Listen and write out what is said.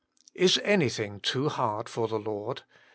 "Is anything too hard for the Lord?